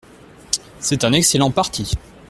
C’est un excellent parti.